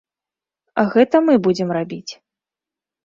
Гэта мы будзем рабіць.